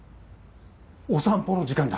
お散歩の時間だ。